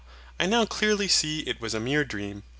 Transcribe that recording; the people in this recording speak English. I now clearly see it was a mere dream.